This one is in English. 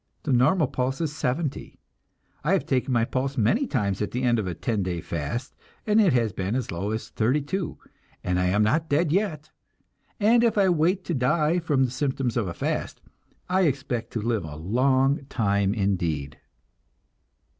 The normal pulse is 70. I have taken my pulse many times at the end of a ten day fast, and it has been as low as 32, and I am not dead yet, and if I wait to die from the symptoms of a fast, I expect to live a long time indeed!